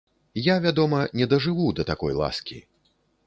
Я, вядома, не дажыву да такой ласкі.